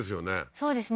そうですね